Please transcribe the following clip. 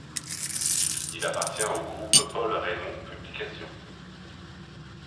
Il appartient au groupe Paul Raymond Publications.